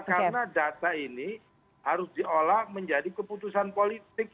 karena data ini harus diolah menjadi keputusan politik